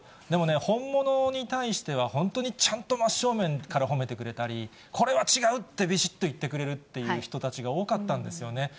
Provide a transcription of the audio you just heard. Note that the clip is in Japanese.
でも本物に対しては本当にちゃんと真正面から褒めてくれたり、これは違うって、びしっと言ってくれるという人たちが多かったんですよね。